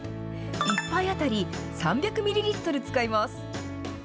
１杯当たり３００ミリリットル使います。